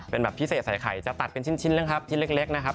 เป็นแบบพิเศษใส่ไข่จะตัดเป็นชิ้นนะครับชิ้นเล็กนะครับ